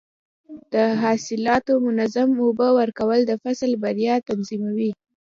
د حاصلاتو منظم اوبه ورکول د فصل بریا تضمینوي.